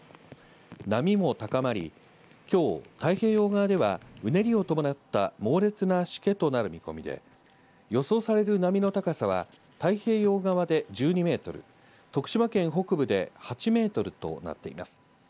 波も高まり、きょう、太平洋側では、うねりを伴った猛烈なしけとなる見込みで予想される波の高さは、太平洋側で１２メートル、徳島県北部で８メートルとなっています。